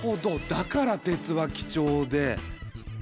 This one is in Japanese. だから鉄は貴重で。